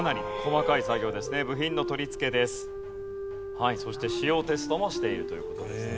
はいそして使用テストもしているという事ですね。